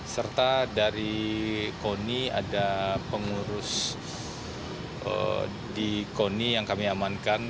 serta dari koni ada pengurus di koni yang kami amankan